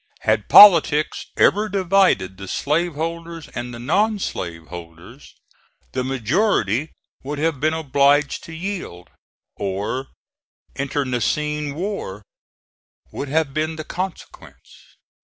Had politics ever divided the slave holders and the non slave holders, the majority would have been obliged to yield, or internecine war would have been the consequence.